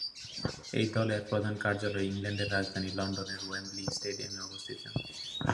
এই দলের প্রধান কার্যালয় ইংল্যান্ডের রাজধানী লন্ডনের ওয়েম্বলি স্টেডিয়ামে অবস্থিত।